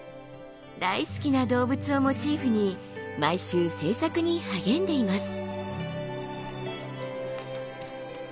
大好きな動物をモチーフに毎週制作に励んでいます。